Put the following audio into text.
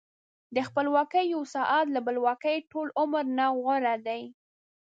د خپلواکۍ یو ساعت له بلواکۍ ټول عمر نه غوره دی.